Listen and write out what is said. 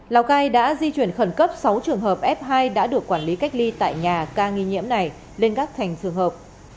lào cai đã di chuyển khẩn cấp sáu trường hợp f hai đã được quản lý cách ly tại nhà ca nghi nhiễm này lên các thành trường hợp